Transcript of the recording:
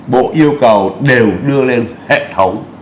bộ yêu cầu đều đưa lên hệ thống